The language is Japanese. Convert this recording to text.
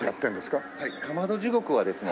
かまど地獄はですね